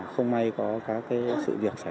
không may có sự việc